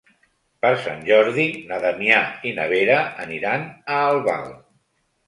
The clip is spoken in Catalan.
Per Sant Jordi na Damià i na Vera aniran a Albal.